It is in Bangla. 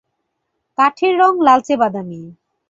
কাঠের রং লালচে বাদামি।